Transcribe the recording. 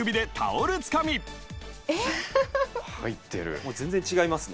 もう全然違いますね。